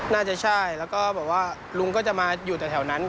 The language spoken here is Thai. น่าจะใช่แล้วก็บอกว่าลุงก็จะมาอยู่แถวนั้น